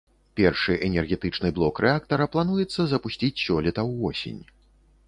Першы энергетычны блок рэактара плануецца запусціць сёлета ўвосень.